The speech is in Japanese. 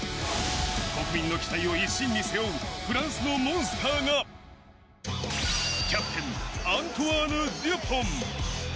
国民の期待を一身に背負うフランスのモンスターが、キャプテン、アントワーヌ・デュポン。